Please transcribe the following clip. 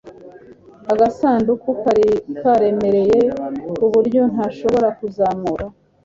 agasanduku kari karemereye kuburyo ntashobora kuzamura